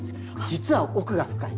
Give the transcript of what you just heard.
実は奥が深い。